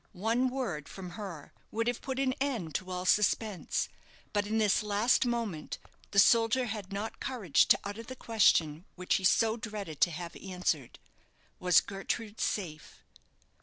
One word from her would have put an end to all suspense; but in this last moment the soldier had not courage to utter the question which he so dreaded to have answered Was Gertrude safe?